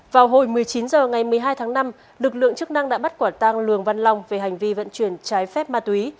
vào hồi một mươi chín h ngày một mươi hai tháng năm lực lượng chức năng đã bắt quả tang lường văn long về hành vi vận chuyển trái phép ma túy